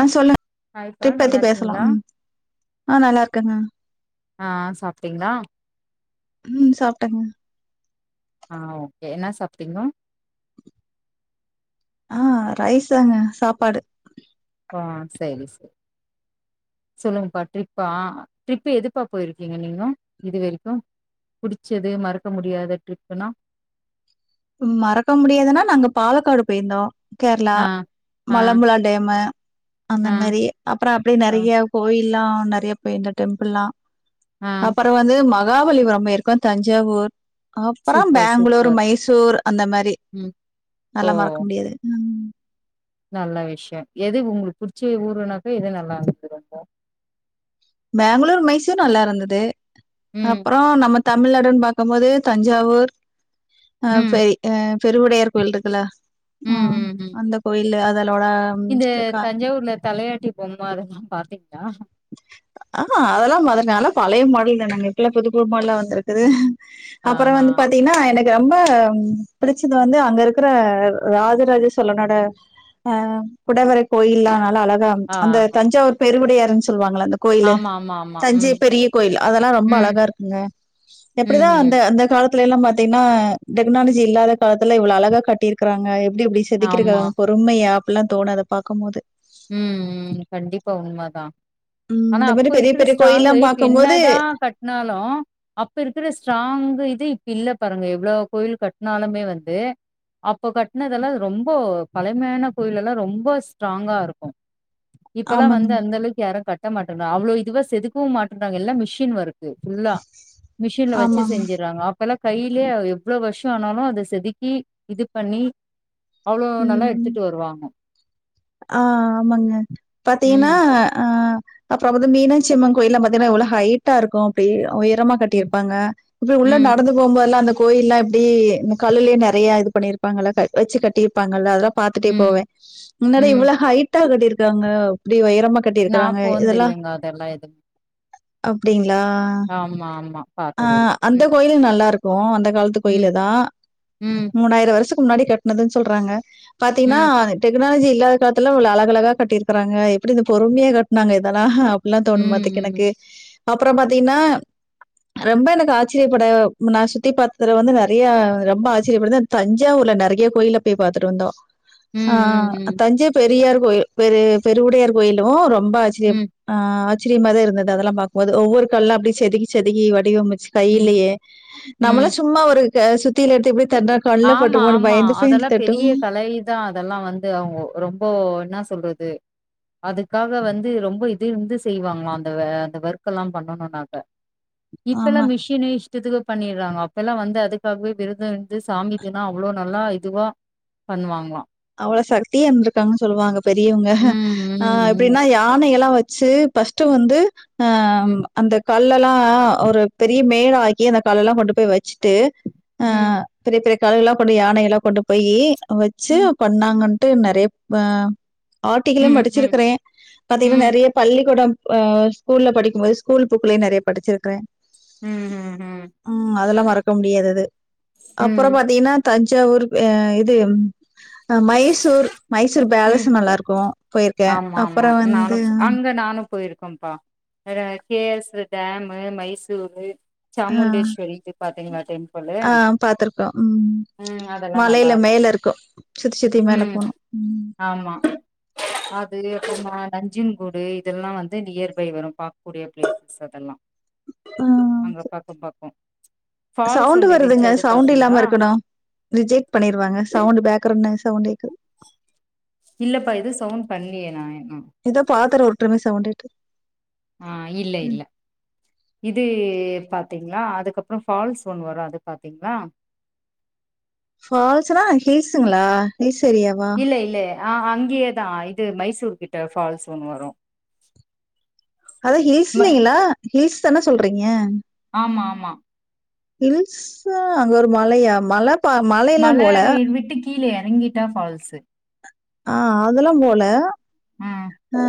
ஆ சொல்லுங் ஹாய்ப்பா ட்ரிப் நல்லா பத்தி பேசலா இருக்கீங்களா ம் ஆ நல்லா இருக்கேங்க ஆ சாப்ட்டீங்ளா ம் சாப்ட்டேங்க ஆ ஓகே என்ன சாப்ட்டீங்கோ ஆ ரைஸ் தாங்க சாப்பாடு ஆ செரி ஸ் சொல்லுங்கப்பா ட்ரிப்பா ட்ரிப்பு எதுப்பா போயிருக்கீங்க நீங்கோ இது வெரிக்கு புடிச்சது மறக்க முடியாத ட்ரிப்புனா மறக்க முடியாதுனா நாங்க பாலக்காடு போயிருந்தோ கேரளா ஆ ஆ மலம்புளா டேமு அந்த ஆ மாரி அப்புறொ அப்டி ஆ நெறைய கோயில்லா நறைய போயிந்த டெம்பிள்ல்லா ஆ அப்பர் ப்றோ வந்து மகாபலிபுரோ போயிருக்கொ தஞ்சாவூர் அப்பறோ super Bangalore super Mysore அந்த மாரி ம் ஓ அதால்லா மறக்க முடியாது ம் நல்ல விஷ்யோ எது உங்களுக்கு புடிச்ச ஊருனாக்கா எது நல்லாருக் பெங்களூர் மைசூர் நல்லா இருந்தது ம் அப்புறம் நம்ம தமிழ்நாடுன்னு பாக்கும் போது தஞ்சாவூர் அ ம் பெய் ஆ பெருவுடையார் கோயில்ட்ருக்குல அ ம் ம் ம் அந்த கோயிலு அதலோட ம் இந்த க தஞ்சாவூர்ல தலையாட்டி பொம்ம அதெல்லா பாத்துக்கிட்டா ஆ அதலாம் அதனால பழைய மாடல் தானங்க இப்பல்ல புது புது மாட்லா வந்துருக்குது அப்பற ஆஹா வந்து பாத்தீங்னா எனக் ரொம்ப பிடிச்சது வந்து அங்க இருக்கிற ராஜராஜ சோலனோட அ குடவரை கோயில்லா நல்லா அழகா ஆ அந்த தஞ்சாவூர் பெருகுடையாருன் சொல்வாங்கள அந்த கோயிலு ஆமா ஆமா ஆமா தஞ்சை ம் பெரிய கோயில் அதெல்லா ரொம்ப ம் அழகா இருக்குங்க எப்டிதா ம்ஹ்ம். அந்த அந்த காலத் துல்லா பாத்தீங்கன்னா டெக்னாலஜி இல்லாத காலத்துல இவ்ளோ அழகா கட்டிருக்கறாங்க எப்படி இப்படி செக்கக்கி ஆமா. இரூக்கிராங்க பெர்த்து உண்மையா அப்பெல்லா தோணாது பாக்கூ போது உம் உம் கண்டிப்பா உண்ம தா ம் ஆனா இந்த மாரி அப்ப பெரிய இருக்குள பெரிய கோயில்லா ஸ்ட்ராங்கு இப்ப பாக்கும்போது என்னதா கட்னாலூ அப்ப இருக்கிற ஸ்ட்ராங் இது இப்ப இல்ல பாருங்க எவ்ளோ கோயில் கட்னாலுமே வந்து அப்போ கட்னதெலா ரொம்போ பழைமையான கோயிலலா ரொம்ப ஸ்ட்ராங்கா இருக் இப்பலா ஆமாங்க. வந்து அந்தளவ்க்கு யாரு கட்ட மாட்டன்றா அவ்ளோ இதுவா செதுக்வு மாட்டன்றாங்க எல்லா மிஷின் வரு இது ஃபுல்லா மெஷின்ல வச்சு ஆமாமா. செஞ்சுற்றாங்க இப்பெல்லா கையிலயே எவ்ளோ வருஷோ ஆனாலும் அதை செதுக்கி இது பண்ணி அவ்ளே நல்லா ம். எடுத்துட்டு வருவாங்க ஆ ஆமாங்க பாத்தீங்ன்னா ம், ஆ அப்புறோ வந்து மீனாட்சி அம்மன் கோயில்ல பாத்தீங்கன்னா எவ்ளோ ஹைட்டா இருக்கூ அப்டியே உயரமா ம், கட்டியிருப்பாங்க இப்ப உள்ள ம், நடந்து போவூபோதுல்லா அந்த கோயில்ல்லா எப்படி இந்த கல்லுலேய நெறய இது பண்ணிருப்பாங்க வெச்சு கட்டிப் விப்பாங்கல்ல அதெல்லா பாத்துட்டே ம். போவே முன்னாடி ம் இவ்ள ஹைட்டா கட்டி இருக்காங்க இப்டி ஒயரமா நா கட்டிருக்குறாங்க போன்து இதெல்லா இல்லைங்க அதெல்லா எதுவு அப்டிங்ளா ஆமா ஆமா பாத்ததுல்ல ம் ல்‌ நல்லா இருக் இப்போ அந்த காலத்து ம் கோயிலதா ம் மூணாயிரோ வருஷக்கு முன்னாடி கட்னதுன் சொல்றாங்க பாத்தீங்கன்னா ம் லாஜி இல்லாத காலத்துல அலக அலகா கட்டிருக்கிறாங்க எப்படி இந்த பொறுமைய கட்னாங்க இதெல்லா ப்புல்லா தோணு பாத்துக் எனக்கு ம் அப்றோ பாத்தீங்னா ரொம்ப எனக்கு ஆச்சரியப்பட நா சுத்தி பாத்ததுல வந்து நெறைய ரொம்ப ஆச்சரியப்படுது தஞ்சாவூர்ல நெறய கோயில்ல போய் பார்த்துட்டு வந்தோ ம் ஆ ம் ம் ம் தஞ்சை பெரியார் கோயில் பெரு பெருவுடையார் கோயிலு ரொம்ப ஆச்சிரியம் ம் ஆ ஆச்சரியமா தா இருந்தது அதெல்லா பாக்கூபோது ஒவ்வொரு கல்லா அப்டியே செதுக்கி செதுக்கி வடிவமைச்சு ம் கைலயே நம்மளா ம் சும்மா ஒரு க சுத்தில எட்த்து இப்டி தட்னா கண்ல்ல பட்டுருமேன்னு பைந்து போய் இருந் தட்டூ தா அதல்லா வந்து அவுங்கோ ரொம்போ இன்னா சொல்றது அதுக்காக வந்து ரொம்ப இது இருந்து செய்வாங்ளா அந்த வ அந்த வர்க்கெல்லா பண்ணணுனாக்க இப்பெல்லா ஆமா மிஷினே இஷ்டத்துக்கு பண்ணிறாங்க அப்ப எல்லா வந்து அதுக்காகவே விரதன் து சாமிக்குதா அவ்ளோ நல்லா இதுவா பண்ணுவாங்ளாம் அவ்ளோ சக்தியேம் இருக்காங்கன் சொல்லுவாங்க பெரியவங்க ம் ஆ எப்டினா ம் யானையலா வெ சே ஃபர்ஸ்ட்டு வந்து அ அ அம்பா ம் அந்த கல்லலா ஒரு பெரிய மேல் ஆக்கி அந்த கல்லல்லா கொண்டு போய் வச்சுட்டு ஆ ம் பெரிய பெரிய கால்கல்லா கொண்டு யானை எல்லா கொண்டு போயி வச்சு ம் பண்ணாங்கன்ட்டு நிறையா வே ம் ஆர்டிகிளயும் ம் ம் படிச்சிருக்குறே ம் பாத்தீங்கன்னா நெறய பள்ளிக்கூடம் அ ஸ்கூல்ல படிக்கும்போது ஸ்கூல் புக்குலயு நெறைய படிச்சிருக்கிறே ம் ம் ம் ம் அதெல்லா மறக்க முடியாதது ம் அப்பறம் பாத்தீங்கன்னா தஞ்சாவூர் அ இது ஆ மைசூர் மைசூர் பேலஸ் ம் நல்லா இருக்கு போயிருக்கே அப்பறம் வந்து இங்க நானும் போயிருக்கோம்பா வேற கே எஸ் டேமு மைசூரு ஆ சாமுண்டேஸ்வரி இது பாத்தீங்களா டெம்புளு மலைல மேல இருக்கு சுத்தி சுத்தி இருக்கு மேல ம் போனு ஆமா அது அப்பறமா நஞ்சன்கூடு இதெல்லா வந்து நியர் பை வரு பாக்க கூடிய பிளேசஸ் அதெல்லா ஆ அங்க பக்கோ பக்கோ ஃபால்ஸ் சவுண்ட் ஒண்ணு இருந்துச்சு வருதுங்க அது சவுண்ட் பாத்தீங்களா இல்லாம இருக்கணு ரிஜெக்ட் பண்ணிருவாங்க சவுண்ட் பேக்ரவுண்ட் நாய்ஸ் சவுண்ட் கேக்குது இல்லப்பா எது சவுண்ட் பண்லியே நா இன்னு எதோ பாத்திரோ உருட்டுற மாறி சவுண்ட் கேட்டுது ஆ இல்ல இல்ல இது பாத்தீங்ளா அதுக்கப்பறோ ஃபால்சு ஒன்னு வரு அது பாத்தீங்ளா ஃபால்ஸ்னா ஹில்ஸ்ங்களா ஹில்ஸ் ஏரியாவா இல்லே இல்லே ஆ அங்கேயே தா இது மைசூர்க்கிட்ட ஃபால்ஸ் ஒன்னு வரு அதா ம ஹில்ஸ்ன்னீங்களா ஹில்ஸ் தானே சொல்றீங்க ஆமா ஆமா ஹில்ஸ்ஸா அங்க ஒரு மலையா மலப்பா மலையெல்லா மல போல விட்டு கீழே எறங்கிட்டா ஃபால்ஸு ஆ அதெல்லா போல ம் ஆ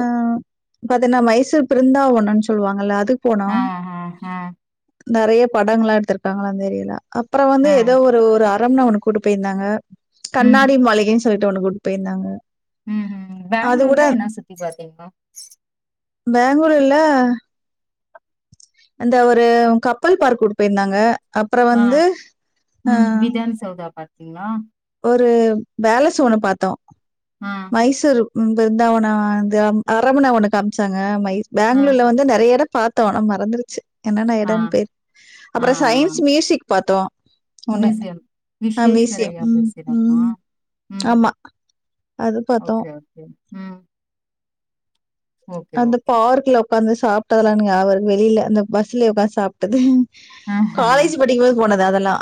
பாத்தீன்னா மைசூர் பிருந்தாவனன்னு சொல்லுவாங்கல்ல அதுக் போனோ ஆ ஆ ஆ நெறைய படங்கள்லா எடுத்துருக்காங்கள அந்த ஏரியால அப்புற வந்து ஆ ஏதோ ஒரு ஒரு அரண்மன ஒன்னு கூட்டு போயிருந்தாங்க ம் கண்ணாடி மலையே சொல்லிட்டு ஒன்னு கூட் போயிருந்தாங்க ம் ஹு அது கூட பேங்ளூர்ல என்ன சுத்தி பாத்தீங்க பேங்களூர்ல அந்த ஒரு கப்பல் பார்க் கூட்டு போயிருந்தாங்க அப்புற வந்து ஆ த்யான சௌதாபாத் என்னா ஒரு பேலஸ்அ ஒன்னு பாத்தோ ஆ மைசூர் ம் பிருந்தாவன வந்து அரண்மன ஒன்னு காமிச்சாங்க மை ஆ பேங்களூர்ல வந்து நெறைய எடம் பாத் த்தோ ஆனா மறந்துருச்சு என்னன்னா ஆ எடம்னு பேர் அப்புற சயின்ஸ் மியூசிக் பாத்தோ மிசியம் விஸ்வேஸ்வரை யா ம், பேசிறோமா ம். ம் ஆமா. அது பார்த்தோம். ஒகே ஒகே ம் ஓகே அந்த ஓகே பார்க்ல உக்காந்து சாப்ட்டதலா எனக் ஞாபக இருக்கு வெளியில அந்த பஸ்லே உக்காந்து சாப் டது ஆஹா காலேஜ் படிக்கும் போது போனது அதெல்லா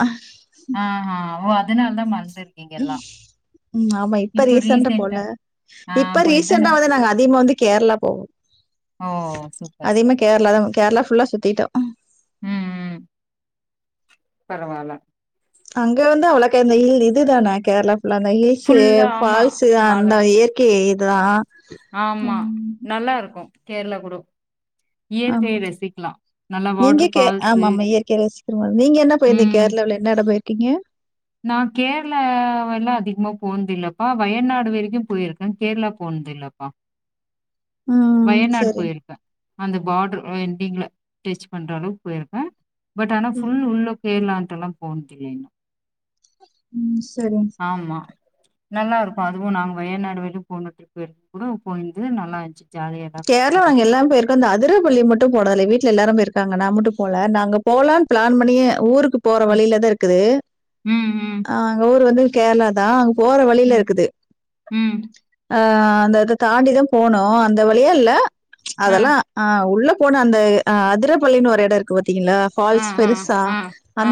ஆஹா ஓ அதனால தா மனசுல ம் ஆமா இப்ப ரிசன்டா ரீசெண்டா போல ஆ இப்ப ரீசெண்டா போயிருந்தா வந்து நாங்க அதிகமா வந்து கேரளா போவோ ஓ சூப்பர் சூப்பர் நல்லாதா கேரளா ஃபுல்லா சுத்திட்டோ ம் ம் பரவாயில்ல அங்க வந்து அவ்வளோக்க அந்த ஹில் இது தானே கேரளா ஃபுல்லா அந்த ஹில்ஸு ஃபுல்லா ஆமா ஃபால்ஸு மல அந்த இயற் கை இதுதா ஆமா நல்லாருக்கு கேரளா கூடோ ஆமா இயற்கைய ரசிக்கலா நல்லா நீங்க வாட்டர் கே ஃபால்ஸு ஆமாமா இயற்கைய ரசிக்கிற‌மாரி நீங்க என்ன போயிருந்தீங்க ம் கேரளாவுல எந்த எட போயிருக்கீங்க நா கேரளா எல்லா அதிகமா போனதுல்லப்பா வயநாடு வரிக்கு போயிருக் நா கேரளா போனது இல்லப்பா ம் வயநாடு சரி போயிருக் அந்த பார்டரு ஆ எண்டிங்ல டெச் பண்ற அளவுக்கு போயிருக்க பட் ஆனா ம் ஃபுல் உள்ள கேரளான்ட்டுல்லா போனதுல்ல ம் செரிங்க ஆமா நல்லாருக்கு அதுவு நாங்க வயநாடு வரையு போன ட்ரிப் ருக்கு கூட போய்ந்து நல்லா இருந்துச்சி ஜாலியா எல்லா கேராள ஃப்ரெண்ட்ஸ் எல்லா நாங்க எல்லாரு போயிருக் கோ அந்த அதுரப்பள்ளி மட்டு போனதுல்ல வீட்ல எல்லாரு போயிருக்காங்க நா மட்டு போல நா அங்க போலானு பிளான் பண்ணியே ஊருக் போற ம் வழியில தா இருக்குது ம் ஆ அங்க ஊர் வந்து கேரளா தா போற ம் வழியில ம் இருக்குது ம் ஆ அந்த தாண்டிதா போனோ அந் இந்த வழியா இல்ல அதல்லா ஆ உள்ள போன அந்த அ அதிரப்பள்ளின்னு ஒரு இடோ இருக்கு பாத்தீங்களா ஆ ஃபால்ஸ் ஆ பெருசா ஆ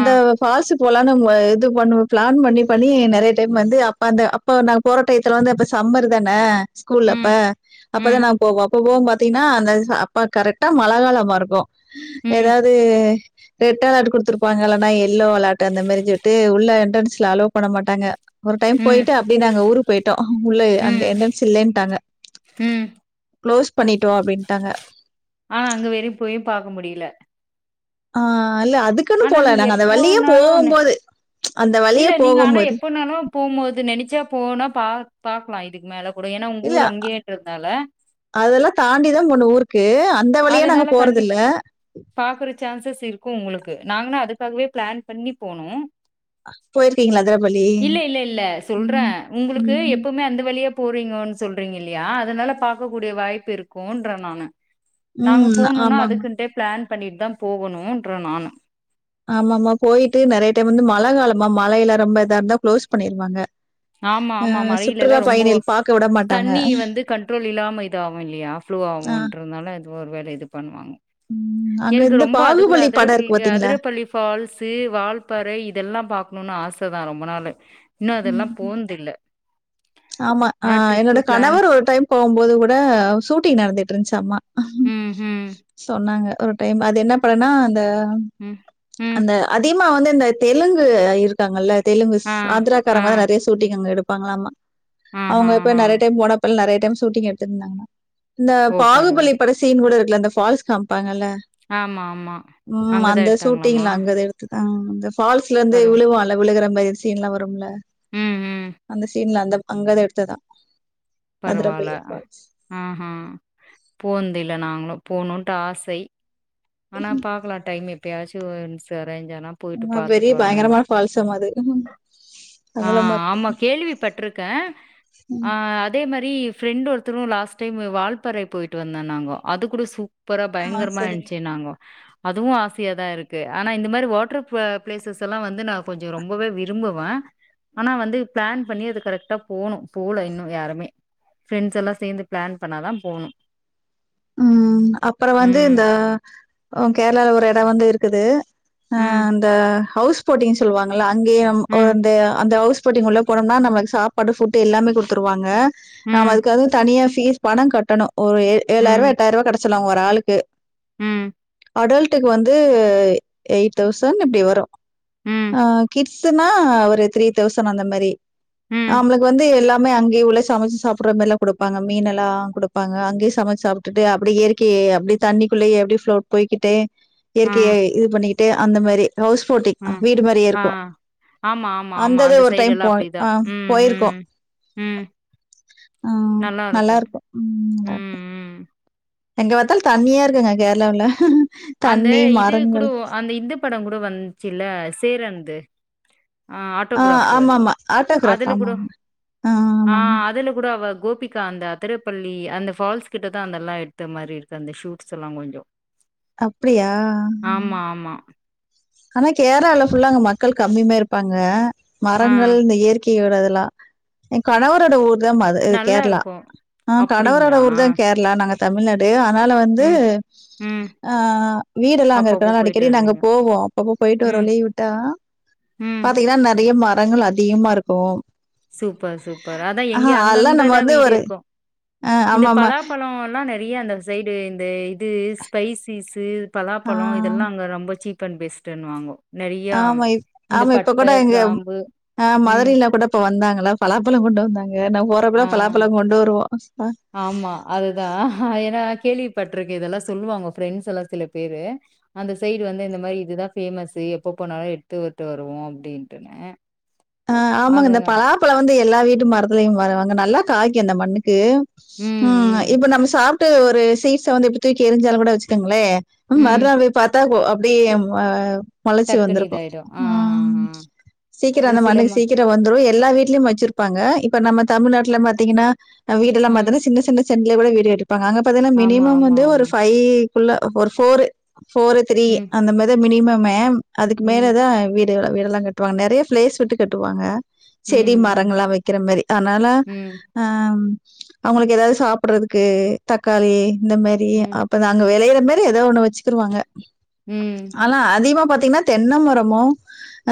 ஆ ஃபால்ஸ் போகலானு ம் இது பண்ணுவ பிளான் பண்ணி பண்ணி நிறைய டைம் வந்து அப்ப அந்த அப்ப அந்த போறட்டைத்துல வந்து அப்ப சம்மர் தானே ஸ்கூல்லப்ப ம் அப்பதா ம் நா வோம் அப்பவோம் பாத்தீங்கன்னா அந்த ஸ் அப்ப கரெக்டா மழை காலமா இருக்கோ ம் ஏதாது ரெட்அலாட் குடுத்துருப்பாங்க இல்லன்னா எல்லோ அலர்ட் அந்த மாரி சொல்லிட்டு உள்ள என்ட்ரன்ஸ்ல அலோ பண்ண மாட்டாங்க ஒரு டைம் ம் போய்ட்டு அப்டியே நாங்க ஊருக்கு போயிட்டோ உள்ள அங்க ம் என்டர்ஸ் இல்லன்ட்டாங்க ம் குளோஸ் பண்ணிட்டோ அப்டின்ட்டாங்க ஆ அங்க வெறியு போயும் பாக்க முடில ஆ அல்ல அதுக்குன்னு ஆனா போல நீங்க நாங்க அந்த வழியே எப்போனாலு போம்போது அந்த வழியே இல்ல நீங்க ஆனா போகும்போது எப்போனாலு போம்போது நினச்சா போனா பா பாக்கலா இதுக்கு மேல கூட ஏன்னா உங்க ஊர் அங்கேன்றதுனால அதல்லா தாண்டிதா போனோ ஊருக்கு அந்த வழியா நாங்க அதனால கண்டிப் போறதில்ல பாக்குற சான்சஸ் இருக்கு உங்களுக்கு நாங்கன்னா அதுக்காகவே பிளான் பண்ணி போனோ போயிருக்கீங்களா அதிரபள்ளி இல்ல இல்ல இல்ல சொல்றேன் உங்களுக்கு ம். எப்பவுமே அந்த வழியா போறீங்கோன்னு சொல்றீங்கில்லையா அதனால பாக்க கூடிய வாய்ப்பு இருக்கும்ன்றேன் நானு நாங்க ம். போணும்னா ஆமாமா. அதுக்குடன்டே பிளான் பண்ணிட்டு தான் போகணும்ன்ற நானு ஆமா ஆமா போய்ட்டு நிறைய டைம் வந்து மழ காலமா மழைய எல்லா ரொம்ப இதுவ இருந்தா குளோஸ் பண்ணிருவாங்க ஆமா ஆமா ஆமா அ மழைலெல்லா சுற்றுலா ரொம்ப பயணிகள் பார்க்க விட மாட்டாங்க. தண்ணி வந்து கண்ட்ரோல் இல்லாம இத ஆவு இல்லையா ஃப்ளே ஆ. ஆகும் ன்றதுனால ஒர்வேல இது பண்ணுவாங்க ம். அங்க எனக்கு இந்த ரொம்ப அது கூட பாகுபலி படம் அதரபள் இருக்கு பார்த்தீங்களா? அதிர பள்ளி ஃபால்ஸ் வால்பறை இதெல்லா பாக்கணும்னு ஆச தா ரொம்ப நாளு இன்னோ அதெல்லா ம். போந் இல்ல ஆமா ஆ என்னோட கணவர் ஒரு டைம் போம்போது கூட ஷூட்டிங் நடந்துட்யிருந்துச்சாமா ம் ம் சொன்னாங்க ஒரு டைம் அது என்ன படனா அந்த ஆ ம் ம் அதிமா வந்து இந்த தெலுங்கு இருக்காங்கல்ல தெலுங்குஸ் ஆ ஆந்தர ஆ க்காரவங்க நறையா சூட்டிங் அங்க எடுபாங்களலாமா ஆஹா அவுங்க இப்ப ஆஹா நிறைய டைம் போனப்பள்ள நிறைய டைம் ஷூட்டிங் எடுத்துயிருந்தகல்லா இந்த ஓ பரவா பாகுபலி பட சீன் கூட இருக்கல அந்த ஃபால்ஸ் காம்ப்பாங்கல்ல ஆமா ஆமா ம் அங்கதா அந்த ஷூட்டிங் எடுத்தாங்களாமா அங்க எடு ட்டுதா அந்த ஃபால்ஸ்லயிருந்தே பரவா விழுவா ல விலுகர மாரி சீன்லா வரும்ல ம் ம் அந்த சீன்ல அந்த அங்கதா எடுத்த தா பரவால்ல ஆ ஆ போந்தில்ல நாங்களு போணுட்டு ஆசை ஆனா பாக்கலாம் டைமு எப்பயாச்சும் செரேஞ்சனா ம் பெரிய பயங்கரமா ஃபால்ஸாமா அது ஆ அகலமா இருக்கும். ஆமா கேள்விப்பட்ருக்கேன் ஆ ம். அதே மாறி ஃப்ரெண்ட் ஒருத்தரு லாஸ்ட் டைம் வால்பறை போயிட்டு வந்தன்னாங்கோ அது கூட சூப் ப்பரா ஆ பயங்கரமா சரிங்க. இருந்துச்சுன்னாங்கோ அதுவும் ஆசைய தான் இருக்கு ஆனா இந்த மாறி வாட்டர் பிளேசஸ்லாம் வந்து நான் கொஞ்சம் ரொம்பவே விரும்புவேன் ஆனா வந்து பிளான் பண்ணி அது கரெக்டா போணும் போல இன்னும் யாருமே பிரெண்ட்ஸ் எல்லாம் சேர்ந்து பிளான் பண்ணாதான் போணும் ம் அப்பறம் வந்து ம். இந்த கேரளால ஒரு இடம் வந்து இருக்குது அ ம். அந்த ஹவுஸ் போட்டிங் சொல்லுவாங்கல்ல அங்கேய்ம் ஓ ம். அந்த அந்த ஹவுஸ் போட்டிங் உள்ள போனம்னா நமக்கு சாப்பாடு ஃபுட்டு எல்லாமே குடுத்துருவாங்க ம். நம்ம அதுக்காக தனியா‌ ஃபீஸ் பணங் கட்டணு ஒரு ஏ ஏழாயிரூபா ம், எட்டாயிரூபா கட்ட சொல்வாங்க ஒரு ஆளுக்கு ம் அடல்ட்டுக்கு வந்து எயிட் தௌசண்ட் இப்டி வரு ம், கி ட்ஸ்னா ஒரு ஃத்ரீ தௌசண்ட் அந்த மாரி ம், நம்ளுக்கு வந்து எல்லா மே அங்கேயே உள்ள சமைச்சு சாப்புற மாரில்லா குடுப்பாங்க மீன்னெல்லா குடுப்பாங்க அங்கேயே சமை சாப்டுட்டு அப்டி இயற்கையே அப்டி தண்ணிக்குள்ளயே அப்டி ப்ளோர் போய்கிட்டு ஆ, இயற்கையை இது பண்ணிட்டு அந்த மாரி ஹவுஸ் போட்டிங் ஆ, வீடு மாரியே ஆ. இருக்கு ஆமா ஆமா ஆமா அந்த சைடு எல்லா அப்டிதா ஆ ம் போயிருக்கோம். ம் ம் ஆ நல்லாருக்கு ம் ம் எங்க பாத்தாலு தண்ணியா இருக்குங்க கேரளாவுல அந்த தண்ணி இது கூட மரங்கள் அந்த இந்த படங் கூட வந்ச்சில்ல சேரன்து ஆ ஆட்டோகிராஃப்பு ஆமாமா. ஆட்டோகிராஃப் அதுல கூட ஆமாமா. ஆ அதுல கூட அவ கோபி கா அந்த அத்திரப்பள்ளி அந்த ஃபால்ஸ் கிட்டதான் அதெல்லா எடுத்த மாறி இருக்கு அந்த ஷூட்ஸ் எல்லா கொஞ்சோ அப்டியா ஆமா ஆமா ஆனா கேரளால ஃபுல்லா அங்க மக்கள் கம்மிமா இருப்பாங்க ஆ மரங்கள் இந்த இயற் கையோட இதெல்லா என் கணவரோட தா மது நல்லா கேரளா இருக்கும். ஆ கணவரோட அப்படிங்களா? ஊர்தான் கேரளா நாங்க தமிழ்நாடு ஆனாலு வந்து ம், ம். ஆ வீடெல்லா அங்க அப்பப்போ இருக்கனால போயிட்டு அடிக்கடி நாங்க வருவீங்க. போவோ அப்பப்போ போயிட்டு வருவோ ம், லீவ் விட்டா ம். பாத்தீங்கன்னா நெறையா மரங்கள் அதிகமா இருக்கு சூப்பர் சூப்பர் அதான் எங்க அதெல்லாம் நம்ம அங்கங்கதா வந்து வீடு ஒரு இருக்கு அ இந்த ஆமாமா. பலாபழொல்லா நெறையா அந்த சைடு இந்த இது ஸ்பைசிஸு ஆ பலாப்பழோ இதெல்லா அங்க ரொம்ப சீப் அண்ட் பெஸ்ட்னுவாங்கோ ஆமா இ ஆமா இப்ப கூட எங்க கிராம்பு ஆ ம். மதுரைல கூட இப்ப வந்தாங்ளா பலாப்பழோ கொண்டு வந்தாங்க நா போறப்பல்லா ஆ பலாப்பழோ கொண்டு வருவோ ஆ ஆமா அதுதான் ஏனா கேள்விப்பட்டிருக்க இதெல்லா சொல்லுவாங்க ஃப்ரெண்ட்ஸ் எல்லா சில பேரு அந்த சைடு வந்து இந்த மாறி இதுதான் பேமஸு எப்ப போனாலு எடுத்து விட்டு வருவோ அப்டின்ட்டுனு ஆ ஆமாங்க இந்த பலாப்பழோ வந்து எல்லா வீட்டு மரத்துலயும் வருவாங்க நல்லா காய்க்கு அந்த மண்ணுக்கு ம் ம் இப்ப நம்ம சாப்ட்டு ஒரு சீட்ஸ வந்து இப்ப தூக்கி எரிஞ்சாலுங் கூட வெச்சுக்கோங்ளே ம். மறுநாள் போய் பத்தா அப்டியே அ முளைச்சு டக்குன்னு வந்திருக்கு இதாயிடும். ஆ, ஆ, ம் ஆ. சீக்கிரம் இந்த அந்த சில மண்ணுக்கு ம சீக்கிரோ வந்துரு எல்லா வீட்லயும் வெச்சிருப்பாங்க இப்ப நம்ம தமிழ்நாட்ல பாத்தீங்கன்னா வீடு எல்லாம் ம். பாத்தீன்னா சின்ன சின்ன செண்டுல கூட வீடு கட்டிபாங்க அங்க பாத்தீனா ஆமா, மினிமம் ஆமா, வந்து ஆமா. ஒரு ஃபைவ் குள்ள ஒரு ஃபோர் ஃபோர் த்ரீ ம், அந்த மாரிதான் மினிமமே அதுக்கு ம், மேலதான் வீ டெல்லா கட்டுவாங்க நெறையா பிளேஸ் விட்டு கட்டுவாங்க செடி ம், மரங்கல்லா வெக்கிற மாரி அனால ம், ஆ அவுங்களுக்கு எதாவது சாப்பறதுக்கு தக்காளி இந்த மாரி ம், அப் தா அங்க வெளையற மாரி ஏதோ ஒண்ணு வெச்சுக்கிருவாங்க ம் னலா அதிகமா பாத்தீங்கன்னா தென்னை மரமு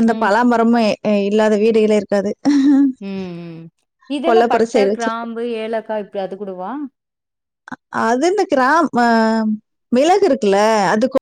அந்த ம், பலா மரமு இல்லாத வீடுகளே இருக்காது ம் ம் இதெல்லா கொல்லைப்புற பட்ட, சைடு வச்சிருப்போம். கிராம்பு, ஏலக்கா இப்டி அது கூடவா அது இந்த கிராமு அ மிளகுருக்குல்ல அது